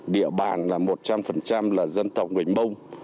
địa bàn là một trăm linh là dân tộc mình mông